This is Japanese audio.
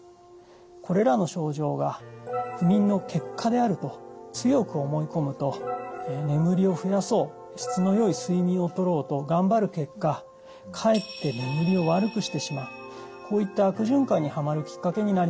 これらの症状が不眠の結果であると強く思い込むと眠りを増やそう質の良い睡眠をとろうと頑張る結果かえって眠りを悪くしてしまうこういった悪循環にはまるきっかけになります。